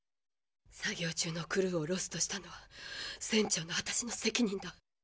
作業中のクルーをロストしたのは船長の私の責任だ。